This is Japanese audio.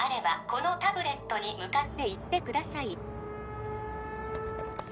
このタブレットに向かって言ってください